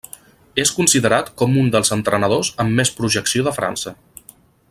És considerat com un dels entrenadors amb més projecció de França.